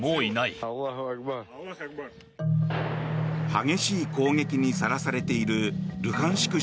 激しい攻撃にさらされているルハンシク